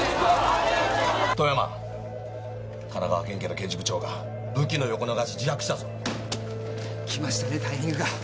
遠山神奈川県警の刑事部長が武器の横流し自白したぞ。来ましたねタイミングが。